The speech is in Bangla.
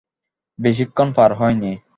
বেশিক্ষণ পার হয়নি।